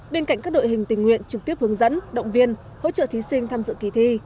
bên cạnh các đội hình tình nguyện trực tiếp hướng dẫn động viên hỗ trợ thí sinh tham dự kỳ thi